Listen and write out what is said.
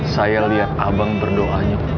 saya liat abang berdoanya